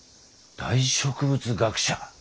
大植物学者？